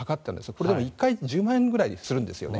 これ、１回１０万円ぐらいするんですよね。